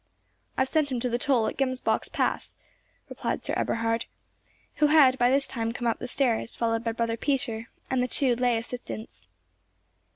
"I have sent him to the toll at the Gemsbock's Pass," replied Sir Eberhard, who had by this time come up the stairs, followed by Brother Peter and the two lay assistants.